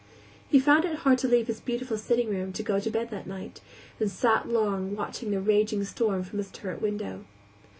He found it hard to leave his beautiful sitting room to go to bed that night, and sat long watching the raging storm from his turret window.